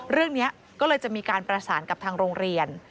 เรื่องนี้ก็เลยจะมีการประสานกับทางโรงเรียน